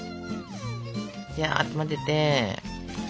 じゃっと混ぜて。